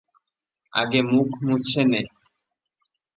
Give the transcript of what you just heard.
আগে মুখ মুছে নে।